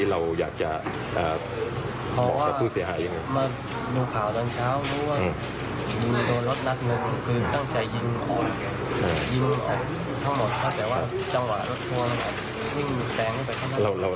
แต่ว่าจังหวะรถทวงนี่มีแสงไปข้างหน้า